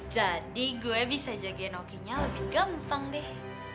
jadi gue bisa jagain oki nya lebih gampang deh